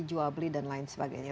jual beli dan lain sebagainya